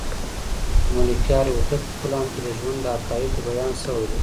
د ملکیار هوتک په کلام کې د ژوند د حقایقو بیان شوی دی.